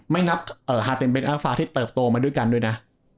ไม่นับฮาเต็นเบสอาฟาที่เติบโตมาด้วยกันด้วยนะ